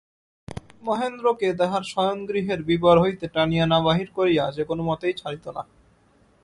মহেন্দ্রকে তাহার শয়নগৃহের বিবর হইতে টানিয়া না বাহির করিয়া সে কোনোমতেই ছাড়িত না।